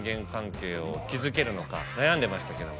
悩んでましたけども。